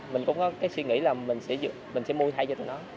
mình cũng có cái suy nghĩ là mình sẽ mua thay cho mình nó